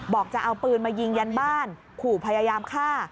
บอกจะเอาปืนมายิงยันบ้านขู่พยายามฆ่า